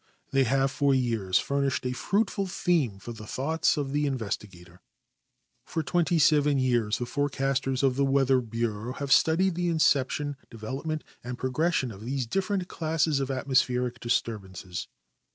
They have for years furnished a fruitful theme for the thoughts of the investigator. For twenty seven years the forecasters of the Weather Bureau have studied the inception, development, and progression of these different classes of atmospheric disturbances.